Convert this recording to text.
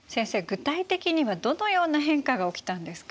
具体的にはどのような変化が起きたんですか？